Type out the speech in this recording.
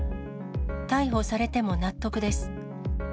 逮捕されても納得です。